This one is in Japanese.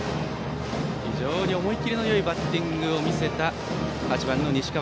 非常に思い切りのいいバッティングを見せた８番、西川。